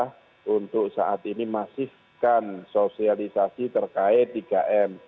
dan semua seluruh kepala daerah untuk saat ini masifkan sosialisasi terkait tiga m